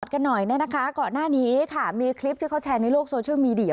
ก่อนหน้านี้ค่ะมีคลิปที่เขาแชร์ในโลกโซเชียลมีเดีย